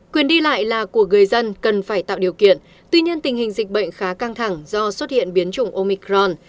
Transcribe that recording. quyền đi lại là của người dân cần phải tạo điều kiện tuy nhiên tình hình dịch bệnh khá căng thẳng do xuất hiện biến chủng omicron